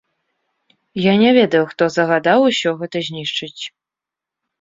Я не ведаю, хто загадаў усё гэта знішчыць.